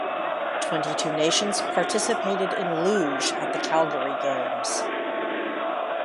Twenty-two nations participated in Luge at the Calgary Games.